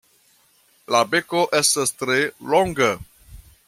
La beko estas tre longa.